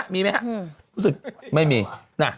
วันนี้นายกมีงอนนะฮะ